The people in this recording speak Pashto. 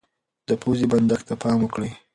د پوزې بندښت ته پام وکړئ.